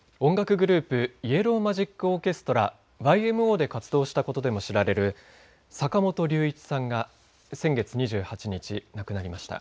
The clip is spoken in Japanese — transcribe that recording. グループイエロー・マジック・オーケストラ＝ＹＭＯで活動したことでも知られる坂本龍一さんが先月２８日亡くなりました。